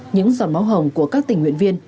những giọt máu hồng của các tỉnh huyện viên